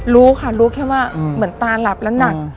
รู้ค่ะรู้แค่ว่าเหมือนตาหลับแล้วหนัก